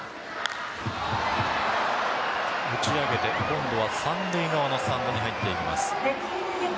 打ち上げて今度は三塁側のスタンドに入っています。